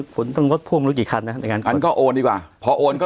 คุณต้องโอน